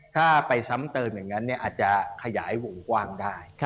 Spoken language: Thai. ถ้าไปซ้ำเติมอย่างนั้นอาจจะขยายวงกว้างได้